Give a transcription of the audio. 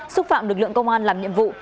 xúc phạm lực lượng công an làm nhiệm vụ